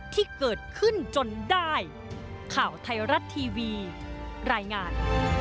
ที่เกิดขึ้นจนได้ข่าวไทยรัฐทีวีรายงาน